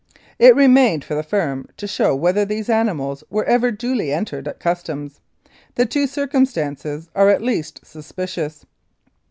It remains for the firm to show whether .these animals were ever duly entered at Customs. The two circumstances are at least suspicious.